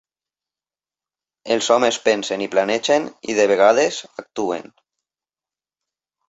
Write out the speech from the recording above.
Els homes pensen i planegen, i de vegades actuen.